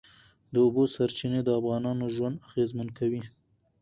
د اوبو سرچینې د افغانانو ژوند اغېزمن کوي.